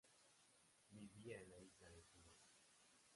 Vivía en la Isla de Cuba.